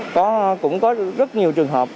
có cũng có rất nhiều trường hợp